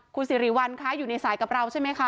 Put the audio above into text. คุณสิริวัลคะอยู่ในสายกับเราใช่ไหมคะ